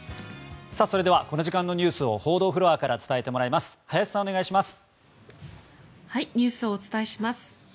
それではこの時間のニュースを報道フロアから伝えてもらいますニュースをお伝えします。